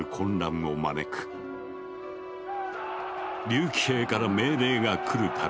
竜騎兵から命令が来る度